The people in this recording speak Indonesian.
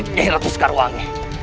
nyai ratu sekarwangi